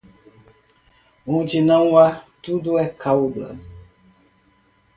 Onde não há, tudo é cauda.